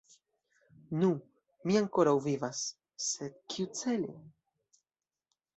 Nu, mi ankoraŭ vivas, sed kiucele?